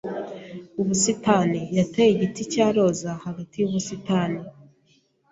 Ubusitani yateye igiti cya roza hagati yubusitani.